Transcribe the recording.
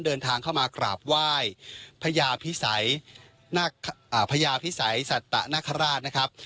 เดินทางเข้ามากราบไหว้พระยาพิสัยพญาพิสัยสัตนคราชนะครับ